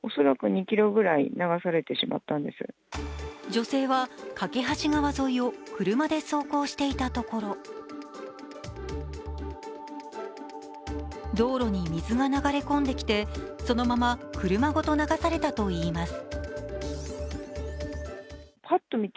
女性は梯川橋沿いを車で走行していたところ、道路に水が流れ込んできて、そのまま車ごと流されたといいます。